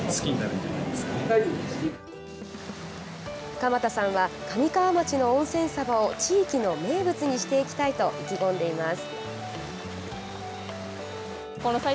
鎌田さんは神川町の温泉サバを地域の名物にしていきたいと意気込んでいます。